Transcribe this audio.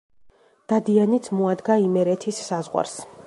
დადიანიც მოადგა იმერეთის საზღვარს.